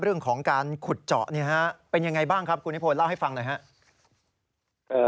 เรื่องของการขุดเจาะเป็นยังไงบ้างครับคุณนิพนธเล่าให้ฟังหน่อยครับ